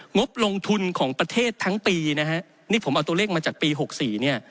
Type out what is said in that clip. งบลงทุนของประเทศทั้งปีนะฮะนี่ผมเอาตัวเลขมาจากปี๖๔เนี่ย